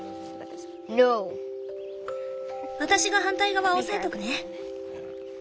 私が反対側押さえとくね。